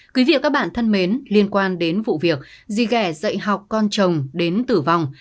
quý vị và các bạn thân mến liên quan đến vụ việc gì ghẻ học con chồng đến tử vong